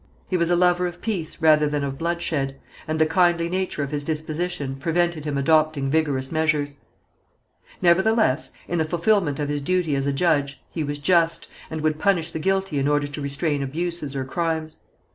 He was a lover of peace, rather than of bloodshed, and the kindly nature of his disposition prevented him adopting vigorous measures. Nevertheless, in the fulfilment of his duty as a judge, he was just, and would punish the guilty in order to restrain abuses or crimes.